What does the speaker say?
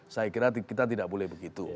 saya kira kita tidak boleh begitu